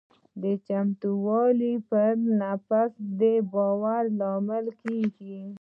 چمتووالی پر نفس د باور لامل کېږي.